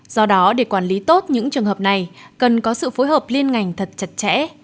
do đó để quản lý tốt những trường hợp này cần có sự phối hợp liên ngành thật chặt chẽ